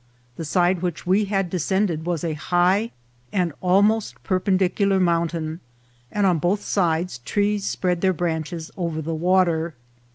The side which we had descended was a high and almost perpendicular mountain, and on both sides trees spread their branches over the water.